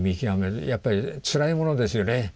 やっぱりつらいものですよね